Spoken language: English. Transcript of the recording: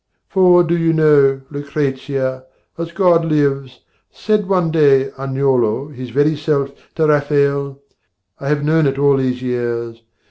For, do you know, Lucrezia, as God lives, Said one day Agnolo, his very self, To Rafael... I have known it all these years...